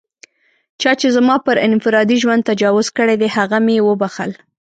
چا چې زما پر انفرادي ژوند تجاوز کړی دی، هغه مې و بښل.